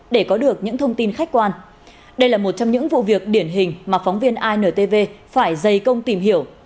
để có được những thông tin khách quan đây là một trong những vụ việc điển hình mà phóng viên intv phải dày công tìm hiểu